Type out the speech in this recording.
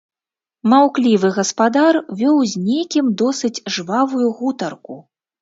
Маўклівы гаспадар вёў з некім досыць жвавую гутарку.